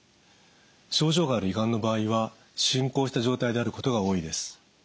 症状がある胃がんの場合は進行した状態であることが多いです。